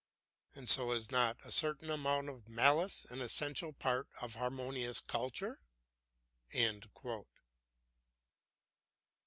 And so is not a certain amount of malice an essential part of harmonious culture?"